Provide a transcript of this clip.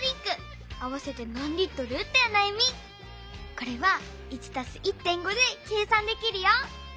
これは「１＋１．５」で計算できるよ。